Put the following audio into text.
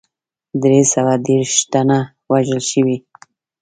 دری سوه یو دېرش تنه وژل شوي.